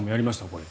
これ。